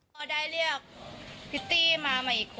มียังสังติดด้วยไหม